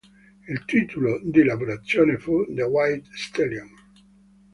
Il titolo di lavorazione fu "The White Stallion".